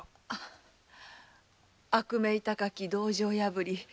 悪名高き道場破り。